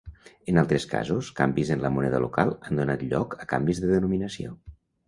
En altres casos, canvis en la moneda local han donat lloc a canvis de denominació.